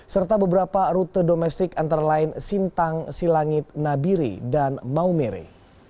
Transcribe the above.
serta beberapa rute domestik antara lain sintang silangit nabiri dan maumere